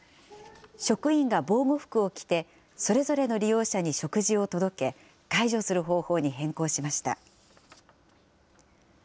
職員が防護服を着て、それぞれの利用者に食事を届け、介助する方法に変更しました。